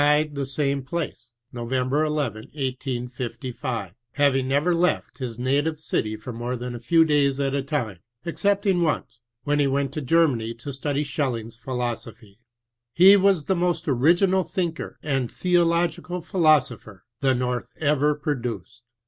at the same place, iNov. 11, 1855, naving never left his na tive city more than a few days at a time, except ing once, when he went to Germany to study Schelling's philosophy. He was the most original thinker and theological philosopher the North ever produced.